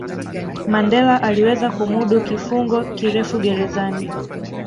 Mandela aliweza kumudu kifungo kirefu gerezani